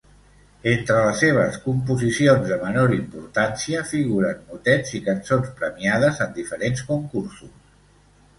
Entre les seves composicions de menor importància figuren motets i cançons premiades en diferents concursos.